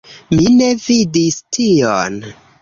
Mi ne vidis tion.